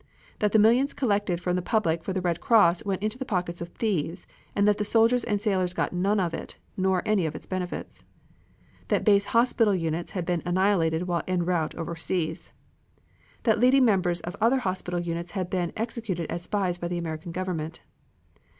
That the millions collected from the public for the Red Cross went into the pockets of thieves, and that the soldiers and sailors got none of it, nor any of its benefits. That base hospital units had been annihilated while en route overseas. That leading members of other hospital units had been executed as spies by the American Government.